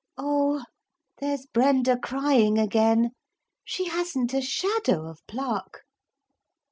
Oh! there's Brenda crying again. She hasn't a shadow of pluck.'